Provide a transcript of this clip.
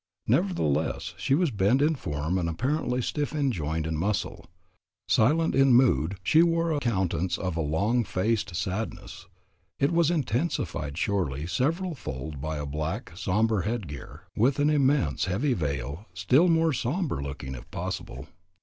Nevertheless she was bent in form and apparently stiff in joint and muscle. Silent in mood, she wore a countenance of long faced sadness, which was intensified surely several fold by a black, sombre headgear with an immense heavy veil still more sombre looking if possible.